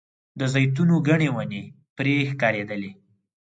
د زیتونو ګڼې ونې پرې ښکارېدلې.